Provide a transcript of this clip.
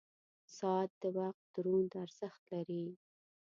• ساعت د وخت دروند ارزښت لري.